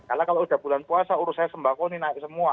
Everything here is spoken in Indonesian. karena kalau sudah bulan puasa urusannya sembako ini naik semua